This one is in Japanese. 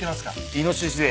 イノシシ。